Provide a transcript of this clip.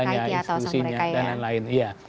institusi terkaitnya atau sama mereka ya